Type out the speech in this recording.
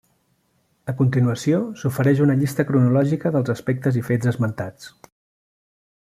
A continuació s’ofereix una llista cronològica dels aspectes i fets esmentats.